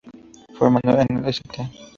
Formado en la St.